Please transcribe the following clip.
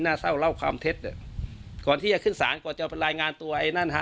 เศร้าเล่าความเท็จก่อนที่จะขึ้นศาลก่อนจะไปรายงานตัวไอ้นั่นฮะ